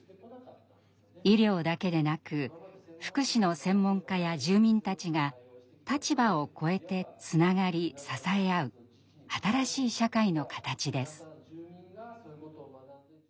医療だけでなく福祉の専門家や住民たちが立場をこえてつながり支え合う新しい社会の形です。